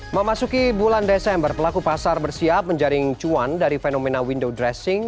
memasuki bulan desember pelaku pasar bersiap menjaring cuan dari fenomena window dressing